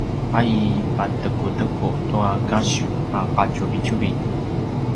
a i patekuteku tua kasiw a qatjuvitjuvi